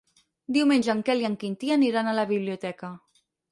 Diumenge en Quel i en Quintí aniran a la biblioteca.